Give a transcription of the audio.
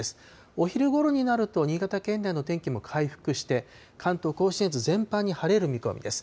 お昼ごろになると、新潟県内の天気も回復して、関東甲信越全般に晴れる見込みです。